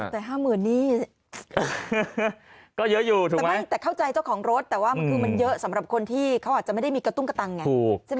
แต่๕๐๐๐นี่ก็เยอะอยู่ใช่ไหมแต่ไม่แต่เข้าใจเจ้าของรถแต่ว่ามันคือมันเยอะสำหรับคนที่เขาอาจจะไม่ได้มีกระตุ้งกระตังไงใช่ไหม